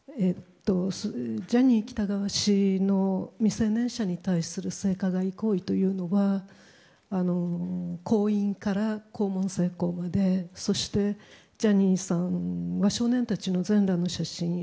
ジャニー喜多川氏の未成年者に対する性加害行為というのは口淫や肛門性行やそして、ジャニーさんが少年たちの全裸の写真や